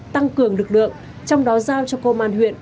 tăng cường lực lượng trong đó giao cho công an huyện